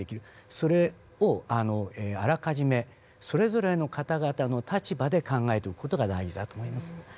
それをあらかじめそれぞれの方々の立場で考えておく事が大事だと思います。